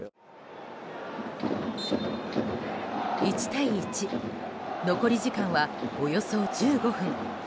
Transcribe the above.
１対１残り時間はおよそ１５分。